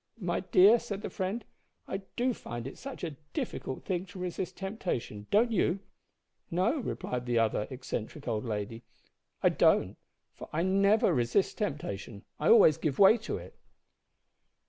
`My dear,' said the friend, `I do find it such a difficult thing to resist temptation don't you?' `No,' replied the eccentric old lady, `I don't, for I never resist temptation, I always give way to it!'"